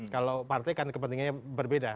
kalau partai kan kepentingannya berbeda